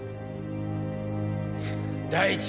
第一